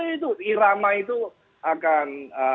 itu irama itu akan